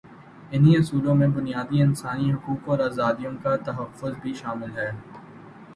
انہی اصولوں میں بنیادی انسانی حقوق اور آزادیوں کا تحفظ بھی شامل ہے۔